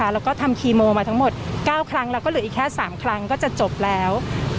แล้วก็ทำคีโมมาทั้งหมด๙ครั้งแล้วก็เหลืออีกแค่๓ครั้งก็จะจบแล้ว